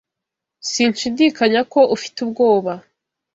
Sinshidikanya ko ufite ubwoba.